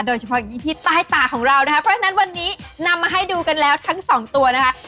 โดยเฉพาะอย่างยิ่งที่ใต้ตาของเรานะคะเพราะฉะนั้นวันนี้นำมาให้ดูกันแล้วทั้งสองตัวนะคะ